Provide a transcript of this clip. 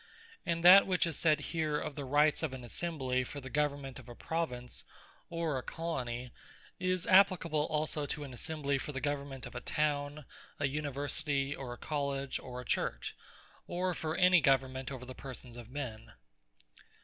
And that which is said here, of the Rights of an Assembly, for the government of a Province, or a Colony, is appliable also to an Assembly for the Government of a Town, or University, or a College, or a Church, or for any other Government over the persons of men.